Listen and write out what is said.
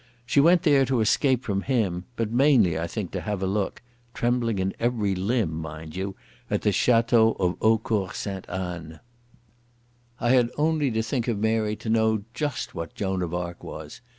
She went there to escape from him, but mainly, I think, to have a look—trembling in every limb, mind you—at the Château of Eaucourt Sainte Anne. I had only to think of Mary to know just what Joan of Arc was.